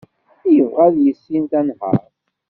Yebɣa ad yissin tanhaṛt.